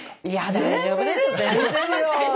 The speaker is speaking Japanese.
大丈夫ですよ。